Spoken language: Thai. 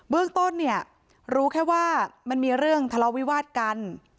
เรื่องต้นเนี่ยรู้แค่ว่ามันมีเรื่องทะเลาวิวาสกัน